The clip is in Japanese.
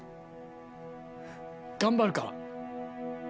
頑張るから。